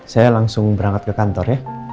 saya langsung berangkat ke kantor ya